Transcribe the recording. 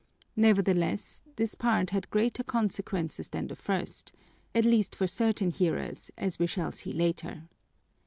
Nevertheless, this part had greater consequences than the first, at least for certain hearers, as we shall see later.